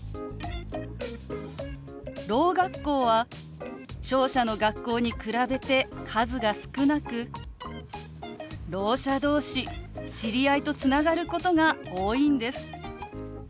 ろう学校は聴者の学校に比べて数が少なくろう者同士知り合いとつながることが多いんです。